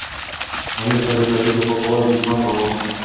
معلم صاحب د پټي په پاکوالي ټینګار کاوه.